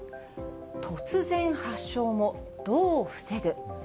突然発症も、どう防ぐ？